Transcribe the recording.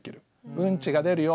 うんちが出るよ